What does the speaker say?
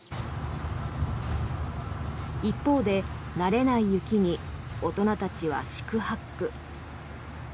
一方で、慣れない雪に大人たちは四苦八苦。